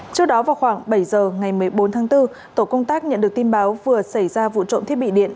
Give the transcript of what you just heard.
trước đó vào khoảng bảy giờ ngày một mươi bốn tháng bốn tổ công tác nhận được tin báo vừa xảy ra vụ trộm thiết bị điện